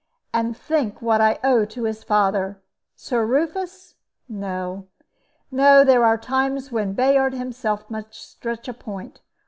And think what I owe to his father, Sir Rufus? No, no; there are times when Bayard himself must stretch a point.